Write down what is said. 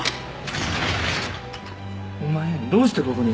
お前どうしてここに。